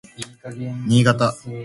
新潟